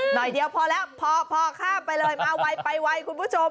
หน่อยเดียวพอแล้วพอค่ะไปเลยมาไวคุณผู้ชม